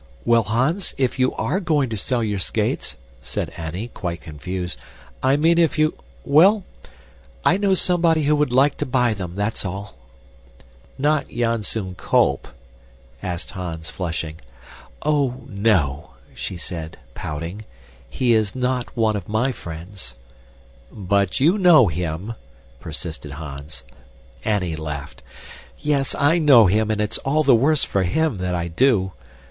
"Well, Hans, if you ARE going to sell your skates," said Annie, quite confused, "I mean if you well, I know somebody who would like to buy them, that's all." "Not Janzoon Kolp?" asked Hans, flushing. "Oh, no," she said, pouting, "he is not one of my friends." "But you KNOW him," persisted Hans. Annie laughed, "Yes, I know him, and it's all the worse for him that I do.